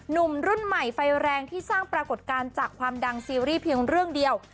หนุ่มรุ่นใหม่ไฟแรงที่สร้างปรากฏการณ์จากความดังซีรีส์เพียงเรื่องเดียว